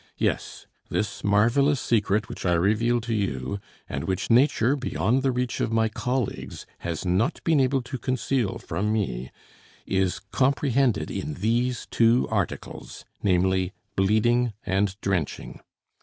"Yes, this marvelous secret which I reveal to you, and which nature, beyond the reach of my colleagues, has not been able to conceal from me, is comprehended in these two articles, namely, bleeding and drenching.